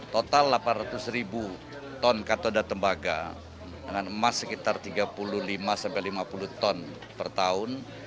total delapan ratus ribu ton katoda tembaga dengan emas sekitar tiga puluh lima lima puluh ton per tahun